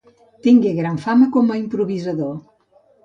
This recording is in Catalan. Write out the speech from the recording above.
Tingué gran fama com a improvisador.